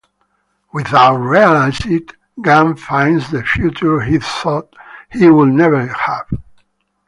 Without realizing it, Gunn finds the future he thought he would never have.